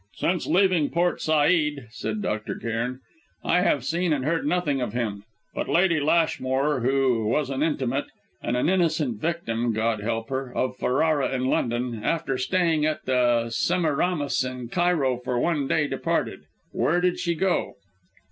"Since leaving Port Said," said Dr. Cairn, "I have seen and heard nothing of him; but Lady Lashmore, who was an intimate and an innocent victim, God help her of Ferrara in London, after staying at the Semiramis in Cairo for one day, departed. Where did she go?"